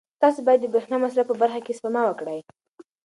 تاسو باید د برېښنا د مصرف په برخه کې سپما وکړئ.